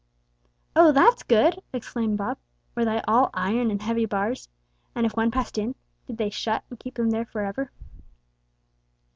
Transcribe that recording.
"Oh, that's good!" exclaimed Bob. "Were they all iron and heavy bars? And if one passed in, did they shut and keep them there forever?"